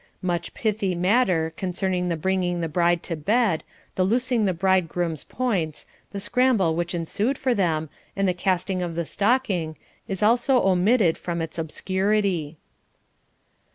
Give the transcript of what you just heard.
Much pithy matter, concerning the bringing the bride to bed, the loosing the bridegroom's points, the scramble which ensued for them, and the casting of the stocking, is also omitted from its obscurity.